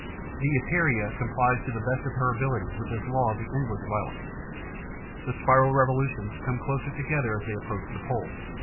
The Epeira complies to the best of her ability with this law of the endless volute. The spiral revolutions come closer together as they approach the pole.